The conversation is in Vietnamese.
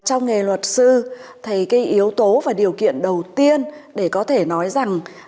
trong nghề luật sư thì cái yếu tố và điều kiện đầu tiên để có thể nói rằng